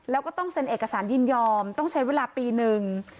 แล้วก็ต้องเซ็นเอกสารยินยอมต้องใช้เวลาปีหนึ่ง